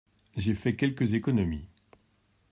J’ai fait quelques économies…